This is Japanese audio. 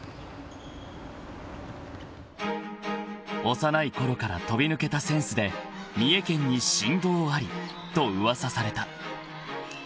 ［幼いころから飛び抜けたセンスで三重県に神童ありと噂された］